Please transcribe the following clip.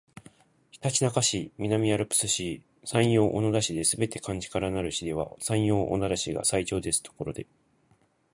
ひたちなか市、南アルプス市、山陽小野田市ですべて漢字からなる市では山陽小野田市が最長ですところで